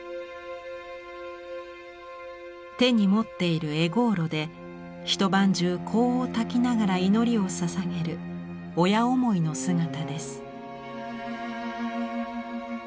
手に持っている柄香炉で一晩中香をたきながら祈りをささげる親思いの姿です。